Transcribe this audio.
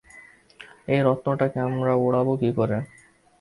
এই রত্নটাকে আমরা ওড়াবো কীকরে?